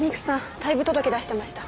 退部届出してました。